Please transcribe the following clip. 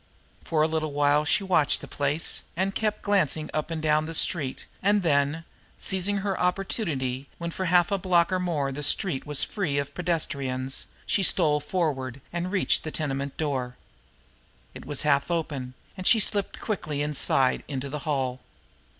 For a little while she watched the place, and kept glancing up and down the street; and then, seizing her opportunity when for half a block or more the street was free of pedestrians, she stole forward and reached the tenement door. It was half open, and she slipped quickly inside into the hall.